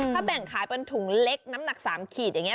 ถ้าแบ่งขายเป็นถุงเล็กน้ำหนัก๓ขีดอย่างนี้